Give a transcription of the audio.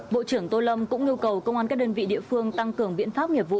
bộ trưởng tô lâm cũng yêu cầu công an các đơn vị địa phương tăng cường biện pháp nghiệp vụ